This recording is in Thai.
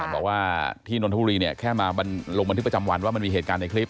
บอกว่าที่นนทบุรีเนี่ยแค่มาลงบันทึกประจำวันว่ามันมีเหตุการณ์ในคลิป